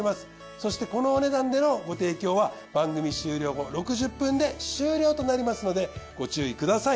そしてこのお値段でのご提供は番組終了後６０分で終了となりますのでご注意ください。